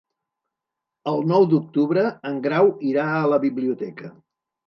El nou d'octubre en Grau irà a la biblioteca.